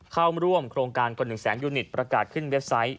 เข้าร่วมโครงการกว่า๑แสนยูนิตประกาศขึ้นเว็บไซต์